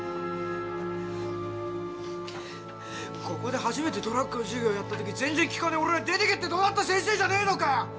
ここで初めてドラッグの授業やった時、全然聞かねえ俺らに出てけって、どなった先生じゃねえのかよ！